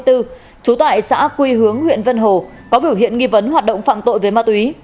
trú tại xã quy hướng huyện vân hồ có biểu hiện nghi vấn hoạt động phạm tội về ma túy